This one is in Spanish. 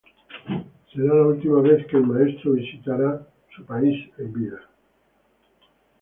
Seria la última vez que el maestro visitaría su país en vida.